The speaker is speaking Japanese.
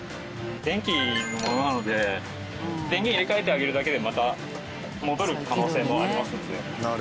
電気のものなので電源入れ替えてあげるだけでまた戻る可能性もありますので。